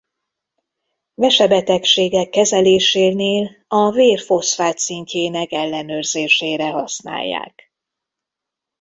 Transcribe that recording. Vesebetegségek kezelésénél a vér foszfát-szintjének ellenőrzésére használják.